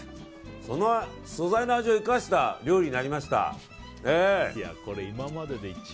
素材の味を生かした料理になりました。